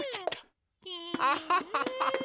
アハハハハ！